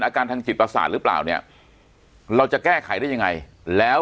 อาการทางจิตประสาทหรือเปล่าเนี่ยเราจะแก้ไขได้ยังไงแล้ว